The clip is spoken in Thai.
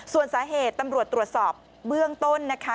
ส่วนสาเหตุตำรวจตรวจสอบเบื้องต้นนะคะ